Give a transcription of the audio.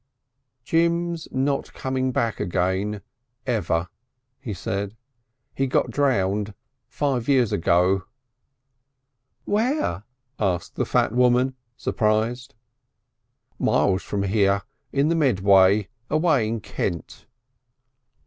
"Jim's not coming back again ever," he said. "He got drowned five years ago." "Where?" asked the fat woman, surprised. "Miles from here. In the Medway. Away in Kent."